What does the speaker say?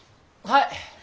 はい。